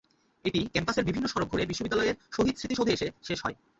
এটি ক্যাম্পাসের বিভিন্ন সড়ক ঘুরে বিশ্ববিদ্যালয়ের শহীদ স্মৃতিসৌধে এসে শেষ হয়।